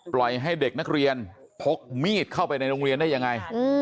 ปล่อยให้เด็กนักเรียนพกมีดเข้าไปในโรงเรียนได้ยังไง